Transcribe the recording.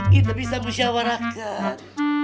kita bisa bersyawarakan